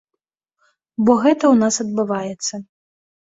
Бо гэта ў нас адбываецца.